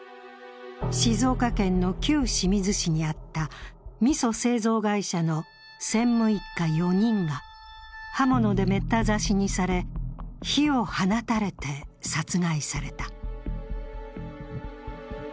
静岡県の旧清水市にあったみそ製造会社の専務一家４人が刃物でめった刺しにされ、火を放たれて殺害された。